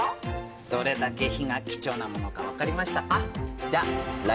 どれだけ火が貴重なものか分かりましたか？